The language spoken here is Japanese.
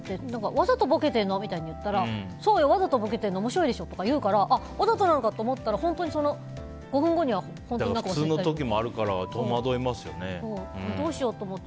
わざとぼけてるの？みたいに言ったらそうよ、わざとぼけてるの面白いでしょとかいうからわざとなのかって思ったら普通の時もあるからどうしようと思って。